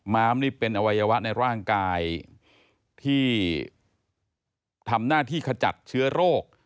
้ามนี่เป็นอวัยวะในร่างกายที่ทำหน้าที่ขจัดเชื้อโรค